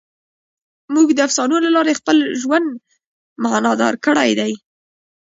موږ د افسانو له لارې خپل ژوند معنیدار کړی دی.